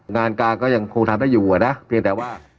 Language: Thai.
งานกลางก็ยังคงทำได้อยู่อะนะเพียงแต่ว่า